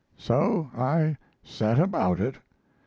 So I set about it.